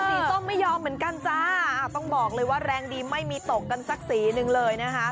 ส้มไม่ยอมเหมือนกันจ้าต้องบอกเลยว่าแรงดีไม่มีตกกันสักสีหนึ่งเลยนะคะ